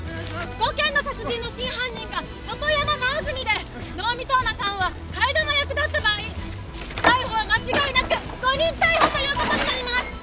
「５件の殺人の真犯人が外山直澄で能見冬馬さんは替え玉役だった場合逮捕は間違いなく誤認逮捕という事になります！」